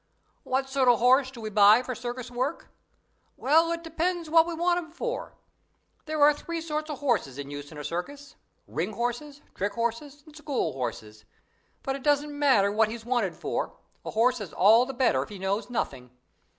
"What sort of horse do we buy for circus work? Well, it depends what we want 'em for. There are three sorts of horses in use in a circus ring horses, trick horses, and school horses; but it doesn't matter what he is wanted for, a horse is all the better if he knows nothing.